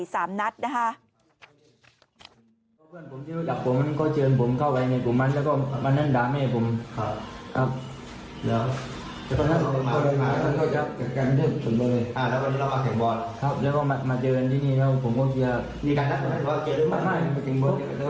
อย่างนั้นดีกว่านั้นให้ขอบคุณครับ